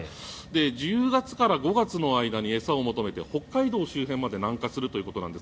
１０月から５月の間に餌を求めて北海道周辺まで南下するということなんです。